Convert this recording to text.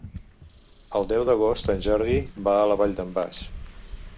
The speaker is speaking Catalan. El deu d'agost en Jordi va a la Vall d'en Bas.